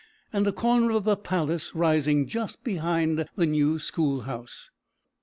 and a corner of the palace rising just behind the new schoolhouse."